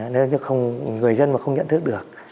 nếu như người dân mà không nhận thức được